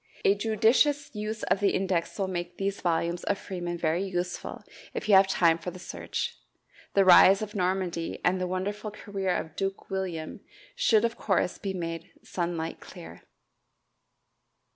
A judicious use of the index will make these volumes of Freeman very useful if you have time for the search. The rise of Normandy and the wonderful career of Duke William should of course be made sunlight clear.